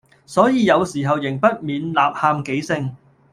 所以有時候仍不免吶喊幾聲，